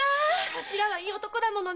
頭はいい男だもの。